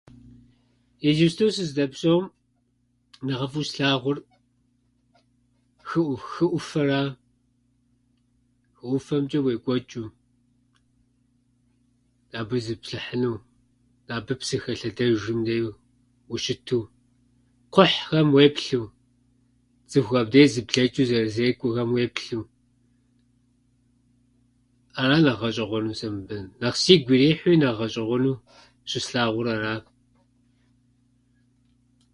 Иджысту сыздэпсэум нэхъыфӏу щыслъагъур хы ӏуф- хы ӏуфэра. Хы ӏуфэмчӏэ уекӏуэчӏу, абы зыпплъыхьыну, абы псы хэлъэдэжым де ущыту кхъухьхэм уеплъу, цӏыху абде зэблэчӏу зэхэзекӏуэхэм уеплъу. Ара нэхъ гъэщӏэгъуэну сэ мыбы нэхъ сигу ирихьууи, нэхъ гъэщӏэгъуэну щыслъагъур ара.